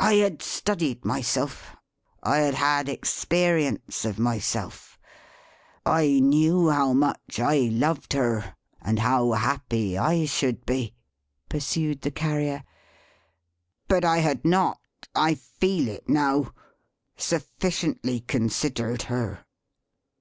"I had studied myself; I had had experience of myself; I knew how much I loved her, and how happy I should be," pursued the Carrier. "But I had not I feel it now sufficiently considered her."